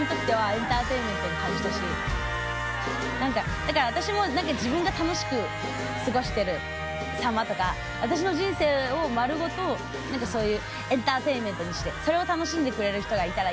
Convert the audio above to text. だから私も自分が楽しく過ごしてる様とか私の人生を丸ごとそういうエンターテインメントにしてそれを楽しんでくれる人がいたらいいな。